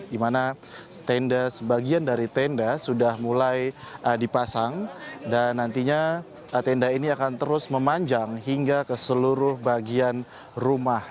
di mana sebagian dari tenda sudah mulai dipasang dan nantinya tenda ini akan terus memanjang hingga ke seluruh bagian rumah